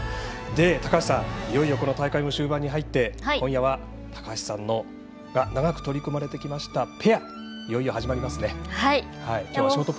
高橋さん、いよいよ大会も終盤に入って、今夜は長く取り組まれてきましたペアがいよいよ始まりますね。